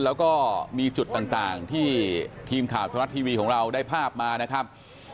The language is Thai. แล้วก็มีจุดต่างที่ทีมข่าวธรรมรัฐทีวีของเราได้ภาพมานะครับ